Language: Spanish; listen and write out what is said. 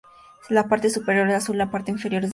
La parte superior es azul, y la parte inferior es blanca.